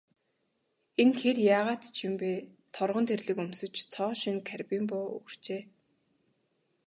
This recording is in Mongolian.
Энэ хэр яагаад ч юм бэ, торгон тэрлэг өмсөж, цоо шинэ карбин буу үүрчээ.